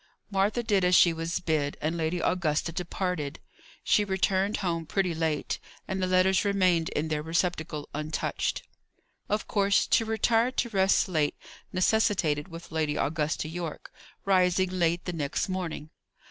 Martha did as she was bid, and Lady Augusta departed. She returned home pretty late, and the letters remained in their receptacle untouched. Of course, to retire to rest late, necessitated, with Lady Augusta Yorke, rising late the next morning.